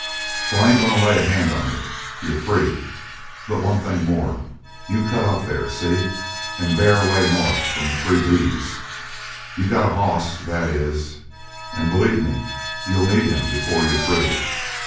So I ain't going to lay a hand on you. You're free: but one thing more. You cut off there see? and bear away north from the Three B's. You got a hoss that is, and believe me, you'll need him before you're through."